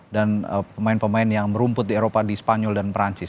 dan pemain pemain yang merumput di eropa di spanyol dan perancis